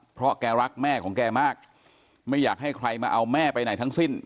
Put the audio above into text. เพราะแกรักแม่ของแกมากไม่อยากให้ใครมาเอาแม่ไปไหนทั้งสิ้น